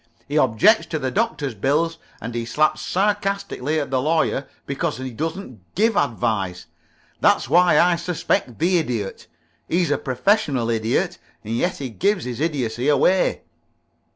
He objects to the Doctor's bill and he slaps sarcastically at the Lawyer because he doesn't give advice. That's why I suspect the Idiot. He's a professional Idiot, and yet he gives his idiocy away."